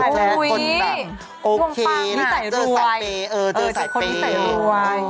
และคนบางโอเคนะเจอสายเปรย์